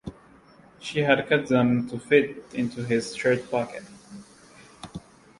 She had cut them to fit into his shirt pocket.